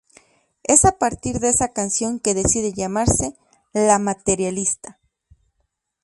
Es a partir de esa canción que decide llamarse "La Materialista".